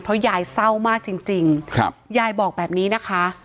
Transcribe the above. เพราะยายเศร้ามากจริงจริงครับยายบอกแบบนี้นะคะ